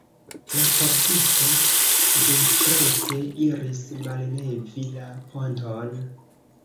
La pordisto ĝojprete iris mallevi la ponton.